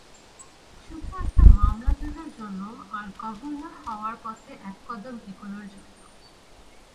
শুধু একটা মামলা জেতার জন্য, আর গভর্নর হওয়ার পথে এক কদম এগোনোর জন্য!